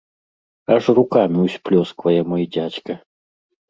Аж рукамі ўсплёсквае мой дзядзька.